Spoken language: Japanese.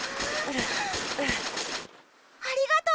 ありがとう！